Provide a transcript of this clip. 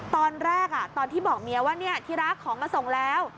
ตอนแรกตอนที่บอกเมียว่าที่รักของมาส่งแล้ว